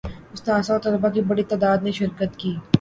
اساتذہ و طلباء کی بڑی تعداد نے شرکت کی